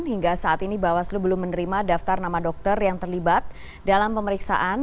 hingga saat ini bawaslu belum menerima daftar nama dokter yang terlibat dalam pemeriksaan